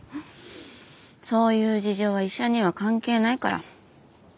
そういう事情は医者には関係ないから。